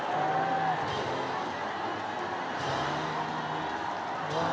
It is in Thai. ดีปะ